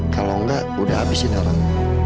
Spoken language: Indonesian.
kalau enggak udah habisin orang